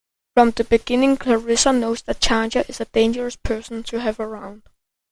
From the beginning, Clarissa knows that Tanja is a dangerous person to have around.